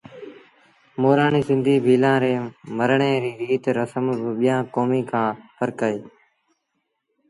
مورآڻي سنڌيٚ ڀيٚلآݩ ري مرڻي ريٚ ريٚت رسم با ٻيٚآݩ ڪوميݩ کآݩ ڦرڪ اهي